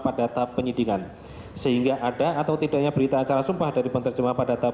pada tahap penyidikan sehingga ada atau tidaknya berita acara sumpah dari penerjemah pada tahap